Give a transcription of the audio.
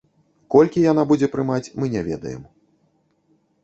Колькі яна будзе прымаць, мы не ведаем.